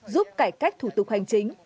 giúp cải cách thủ tục hành chính